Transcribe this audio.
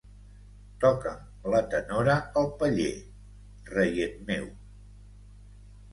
Toca'm la tenora al paller, reiet meu.